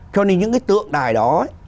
cho nên những cái tượng đài đó